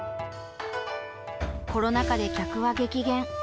コロナ禍で客は激減。